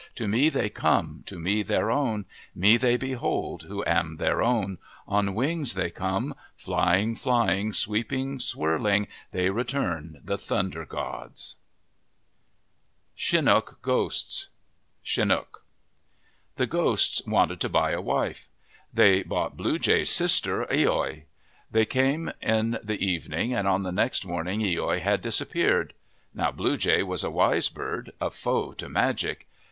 To me they come, to me their own, Me they behold, who am their own ! On wings they come, Flying, flying, sweeping, swirling, They return, the Thunder gods." 94 OF THE PACIFIC NORTHWEST CHINOOK GHOSTS Chinook THE ghosts wanted to buy a wife. They bought Blue Jay's sister, loi. They came in the evening and on the next morning loi had disappeared. Now Blue Jay was a wise bird, a foe to magic.